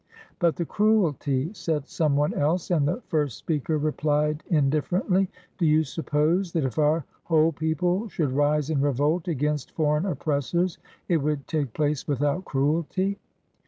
*'But the cruelty?" said some one else, and the first speaker repHed indifferently: "Do you suppose that if our whole people should rise in revolt against foreign oppressors it would take place without cruelty?